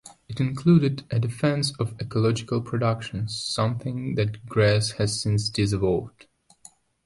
It included a defense of ecological production, something that Gress has since disavowed.